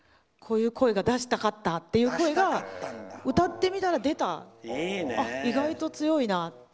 こういう声が出したかったっていう声が歌ってみたら出た、意外と強いな。